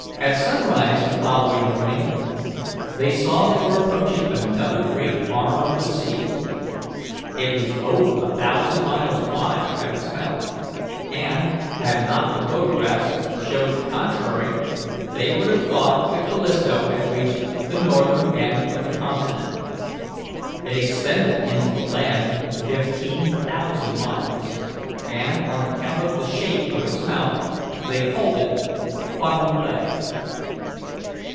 At sunrise the following morning they saw they were approaching another great arm of the sea. It was over a thousand miles wide at its mouth, and, had not the photographs showed the contrary, they would have thought the Callisto had reached the northern end of the continent. It extended into the land fifteen thousand miles, and, on account of the shape of its mouth, they called it Funnel Bay.